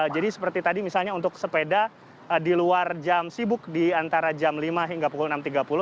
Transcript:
seperti tadi misalnya untuk sepeda di luar jam sibuk di antara jam lima hingga pukul enam tiga puluh